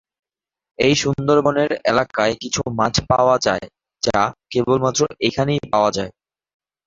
এই সুন্দরবনের এলাকায় কিছু মাছ পাওয়া যায়, যা’ কেবলমাত্র এখানেই পাওয়া যায়।